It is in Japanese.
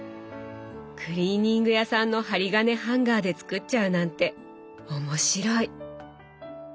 クリーニング屋さんの針金ハンガーで作っちゃうなんて面白い！